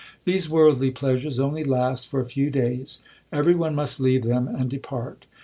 These worldly pleasures only last for a few days ; every one must leave them and depart.